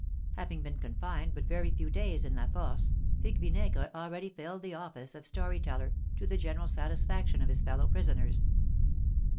Having been confined but very few days in La Force, Pique Vinaigre already filled the office of story teller, to the general satisfaction of his fellow prisoners.